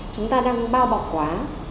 chúng ta đang bao bọc quá